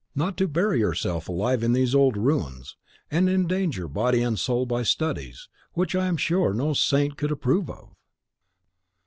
Not to bury yourself alive in these old ruins, and endanger body and soul by studies which I am sure no saint could approve of."